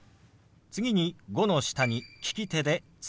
次「５」の下に利き手で「月」。